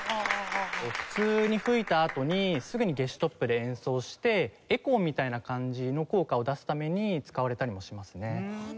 普通に吹いたあとにすぐにゲシュトップで演奏してエコーみたいな感じの効果を出すために使われたりもしますね。